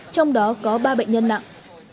trong đó có ba bệnh nhân nặng